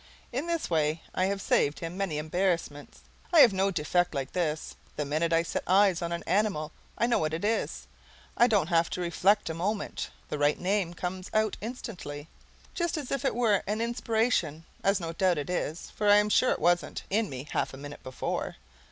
In this way I have saved him many embarrassments. I have no defect like this. The minute I set eyes on an animal I know what it is. I don't have to reflect a moment; the right name comes out instantly, just as if it were an inspiration, as no doubt it is, for I am sure it wasn't in me half a minute before.